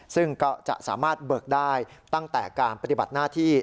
ซึ่งก็จะสามารถเบิกได้ตั้งแต่การปฏิบัติหน้าที่